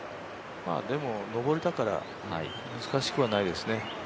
でも、上りだから難しくはないですね。